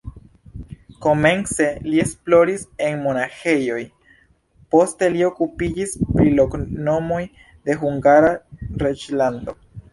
Komence li esploris en monaĥejoj, poste li okupiĝis pri loknomoj de Hungara reĝlando.